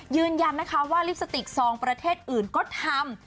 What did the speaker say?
ยืนยันนะคะว่าลิปสติกซองประเทศอื่นก็ทำ